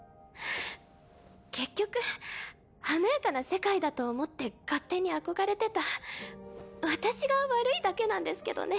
結局華やかな世界だと思って勝手に憧れてた私が悪いだけなんですけどね。